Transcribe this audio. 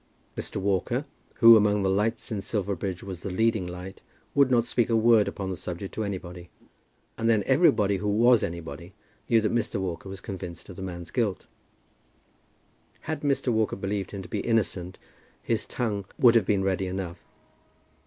Mr. Walker, who among the lights in Silverbridge was the leading light, would not speak a word upon the subject to anybody; and then everybody, who was anybody, knew that Mr. Walker was convinced of the man's guilt. Had Mr. Walker believed him to be innocent, his tongue would have been ready enough.